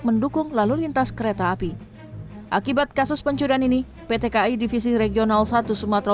mendukung lalu lintas kereta api akibat kasus pencurian ini pt kai divisi regional satu sumatera